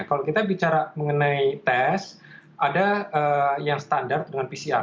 kalau kita bicara mengenai tes ada yang standar dengan pcr